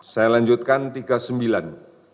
saya lanjutkan tiga puluh sembilan